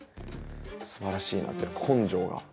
すばらしいなって、根性が。